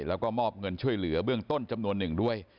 แล้วก็มอบเงินช่วยเหลือเบื้องต้นจำนวนหนึ่งด้วย